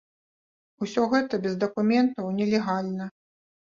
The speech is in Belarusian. Усё гэта без дакументаў, нелегальна.